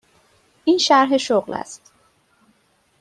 این شرح شغل است.